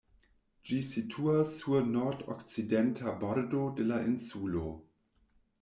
Ĝi situas sur nordokcidenta bordo de la insulo.